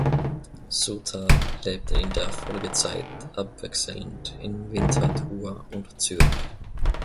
Suter lebte in der Folgezeit abwechselnd in Winterthur und Zürich.